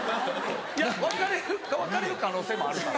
いや別れる別れる可能性もあるから。